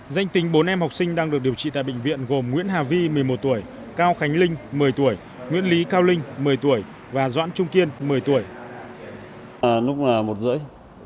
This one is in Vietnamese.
danh tính bốn em học sinh đang được điều trị tại bệnh viện gồm nguyễn hà vi một mươi một tuổi cao khánh linh một mươi tuổi nguyễn lý cao linh một mươi tuổi và doãn trung kiên một mươi tuổi